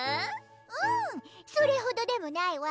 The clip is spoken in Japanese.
うんそれほどでもないわ！